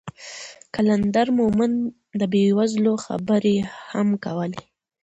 قلندر مومند د بې وزلو خبرې هم کولې.